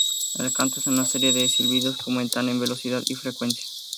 El canto es una serie de silbidos que aumentan en velocidad y frecuencia.